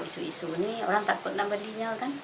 isu isu ini orang takut nampak dinyal kan